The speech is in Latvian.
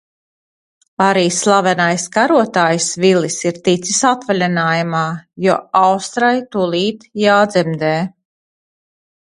Arī slavenais karotājs Vilis ir ticis atvaļinājumā, jo Austrai tūlīt jādzemdē.